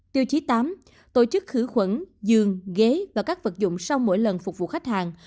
tiêu chí tám tổ chức khử khuẩn dường ghế và các vật dụng sau mỗi lần phục vụ khách hàng